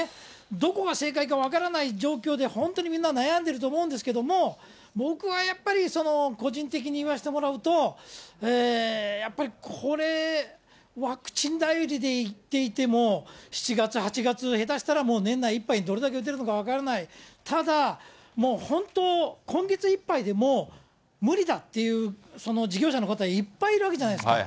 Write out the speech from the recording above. どこが正解か分からない状況で、本当にみんな悩んでると思うんですけれども、僕はやっぱり、個人的に言わしてもらうと、やっぱり、ワクチン頼りでいっていても、７月、８月、下手したら年内いっぱいにどれだけ打てるのか分からない、ただ、本当、今月いっぱいでもう無理だっていう事業者の方、いっぱいいるわけじゃないですか。